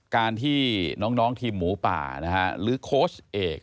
การที่น้องทีมหมูป่าหรือโค้ชเอก